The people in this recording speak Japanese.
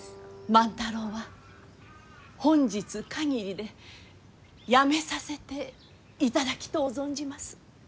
万太郎は本日限りでやめさせていただきとう存じます。